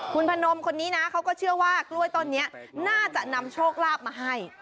คุณพนมคนนี้นะเขาก็เชื่อว่ากล้วยต้นนี้น่าจะนำโชคลาภมาให้